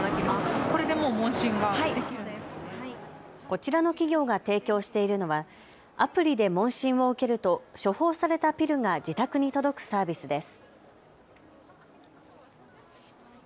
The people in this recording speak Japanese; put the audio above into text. こちらの企業が提供しているのはアプリで問診を受けると処方されたピルが自宅に届くサービスです。